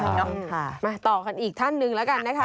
เนาะมาต่อกันอีกท่านหนึ่งแล้วกันนะคะ